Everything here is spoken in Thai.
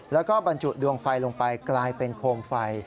แล้วก็บรรจุดวงไฟลงไปกลายเป็นโคมไฟ